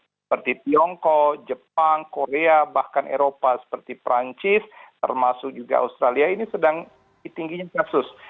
seperti tiongkok jepang korea bahkan eropa seperti perancis termasuk juga australia ini sedang tingginya kasus